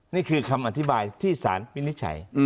นี่คือคำอธิบายที่สารวินิจฉัย